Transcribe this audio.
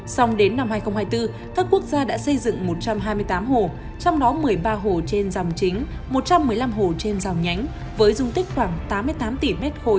xong đến năm hai nghìn hai mươi bốn các quốc gia đã xây dựng một trăm hai mươi tám hồ trong đó một mươi ba hồ trên dòng chính một trăm một mươi năm hồ trên rào nhánh với dung tích khoảng tám mươi tám tỷ m ba